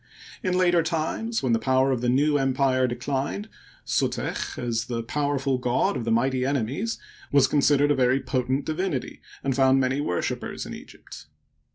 In later times, when the power of the New Empire declined, Suteck, as the power ful god of the mighty enemies, was considered a very po tent divinity, and found many worshipers in Egypt.